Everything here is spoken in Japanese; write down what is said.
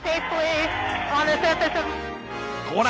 ほら！